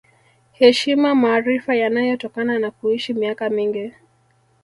Heshima maarifa yanayotokana na kuishi miaka mingi